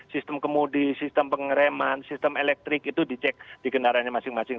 sistem kemudi sistem pengereman sistem elektrik itu dicek di kendaraannya masing masing